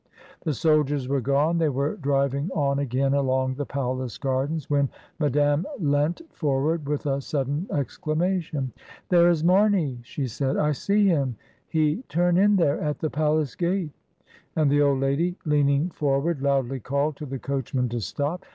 The soldiers were gone; they were driving on again along the palace gardens, when Madame leant forward with a sudden exclamation. "There is Mameyl" she said. "I see him; he turn in there at the palace gate." And the old lady, leaning for ward, loudly called to the coachman to stop.